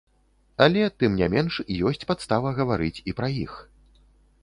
Але, тым не менш, ёсць падстава гаварыць і пра іх.